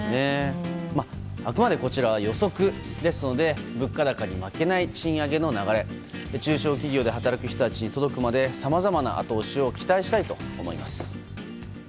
あくまでこちらは予測ですので物価高に負けない賃上げの流れが中小企業で働く人たちに届くまでさまざまな後押しを期待したいと思います。